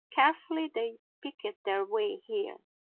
Carefully they picked their way here.